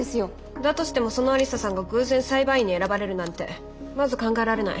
だとしてもその愛理沙さんが偶然裁判員に選ばれるなんてまず考えられない。